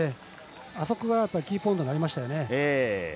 あそこがキーポイントになりましたね。